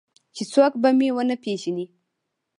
چې څوک به مې ونه پېژني.